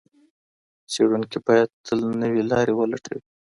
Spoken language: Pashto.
څېړونکي باید تل نوې لارې ولټوي.